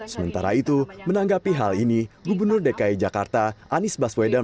sementara itu menanggapi hal ini gubernur dki jakarta anies baswedan